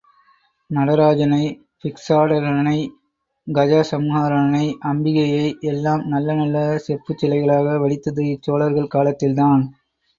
நடராஜனை, பிக்ஷாடனனை, கஜசம்ஹாரனை, அம்பிகையை எல்லாம் நல்ல நல்ல செப்புச் சிலைகளாக வடித்தது இச்சோழர்கள் காலத்தில்தான்.